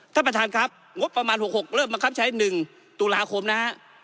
ท่านประธานครับงบประมาณ๖๖เริ่มบังคับใช้๑ตุลาคมนะฮะ